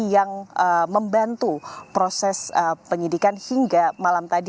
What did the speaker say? yang membantu proses penyidikan hingga malam tadi